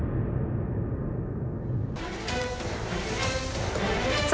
ชูวิทย์ตีแสกหน้า